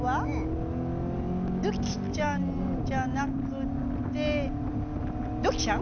ドゥッキーちゃんじゃなくってドッキーちゃん？